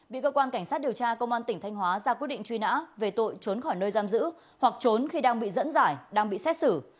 bị cơ quan cảnh sát điều tra công an tỉnh thanh hóa ra quyết định truy nã về tội trốn khỏi nơi giam giữ hoặc trốn khi đang bị dẫn giải đang bị xét xử